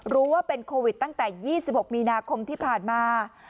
รู้ว่าเป็นโควิดตั้งแต่๒๖มีนาคมที่ผ่านมา